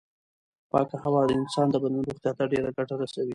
پاکه هوا د انسان د بدن روغتیا ته ډېره ګټه رسوي.